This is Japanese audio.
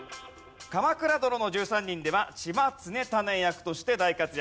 『鎌倉殿の１３人』では千葉常胤役として大活躍されました。